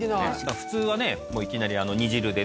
普通はねいきなり煮汁でね